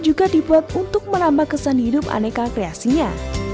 juga dibuat untuk menambah kesan hidup aneka kreasinya